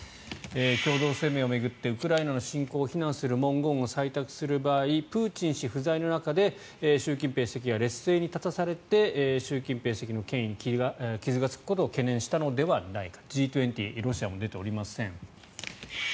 共同声明を巡ってウクライナ侵攻を非難する文言を採択する場合プーチン氏不在の中で習近平主席が劣勢に立たされて習近平主席の権威に傷がつくことを懸念したのではないか。